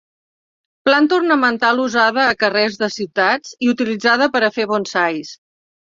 Planta ornamental usada a carrers de ciutats i utilitzada per a fer bonsais.